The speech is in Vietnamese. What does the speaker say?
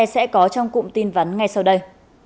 sẽ có trong cụm tin vấn ngay sau đây